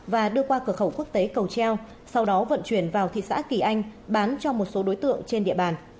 và đưa qua cửa khẩu quốc tế cầu treo sau đó vận chuyển vào thị xã kỳ anh bán cho một số đối tượng trên địa bàn